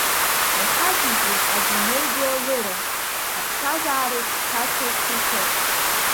Иахагьежьуеит адунеи ду алыра, аԥсҭазаарагь шцац еиԥш ицоит.